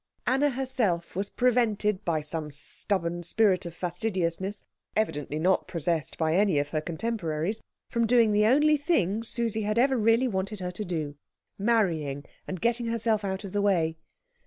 Anna herself was prevented by some stubborn spirit of fastidiousness, evidently not possessed by any of her contemporaries, from doing the only thing Susie had ever really wanted her to do marrying, and getting herself out of the way.